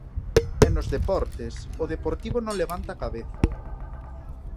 E nos deportes, o Deportivo non levanta cabeza.